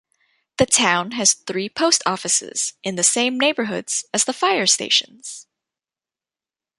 The town has three post offices, in the same neighborhoods as the fire stations.